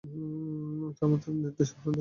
এটা আমাদের নির্দেশনা দেয়।